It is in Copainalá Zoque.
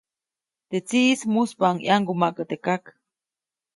Teʼ tsiʼis muspaʼuŋ ʼyaŋgumaʼkä teʼ kak.